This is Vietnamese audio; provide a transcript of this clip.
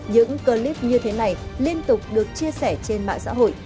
những clip như thế này liên tục được chia sẻ trên mạng xã hội